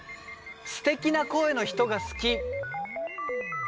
「すてきな声の人が好き」。